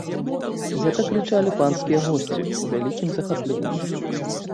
Гэта крычалі панскія госці ў вялікім захапленні.